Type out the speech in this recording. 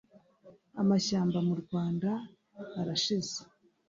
amashyamba mu Rwanda arashize